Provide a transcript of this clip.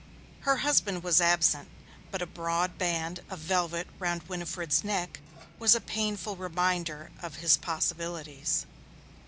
Her husband was absent, but a broad band of velvet round Winifred's neck was a painful reminder of his possibilities.